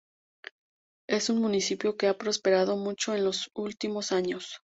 Es un municipio que ha prosperado mucho en los últimos años.